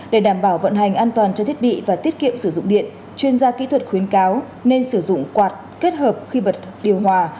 để đảm bảo vận hành an toàn cho thiết bị và tiết kiệm sử dụng điện chuyên gia kỹ thuật khuyến cáo nên sử dụng quạt kết hợp khi bật điều hòa